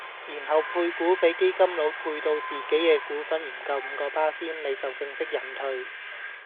然後配股比基金佬配到自己既股份唔夠五個巴仙，你就正式引退